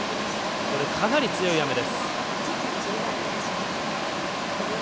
かなり強い雨です。